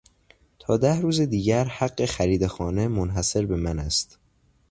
تا ده روز دیگر حق خرید خانه منحصر به من است.